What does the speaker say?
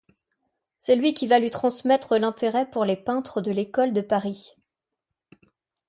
C’est lui qui va lui transmettre l’intérêt pour les peintres de l’école de Paris.